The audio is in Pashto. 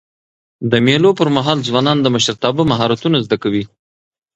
د مېلو پر مهال ځوانان د مشرتابه مهارتونه زده کوي.